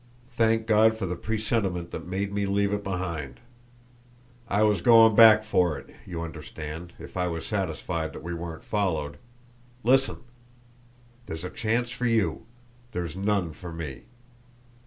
Thank God for the presentiment that made me leave it behind! I was going back for it, you understand, if I was satisfied that we weren't followed. Listen! There's a chance for you there's none for me.